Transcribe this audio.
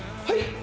はい！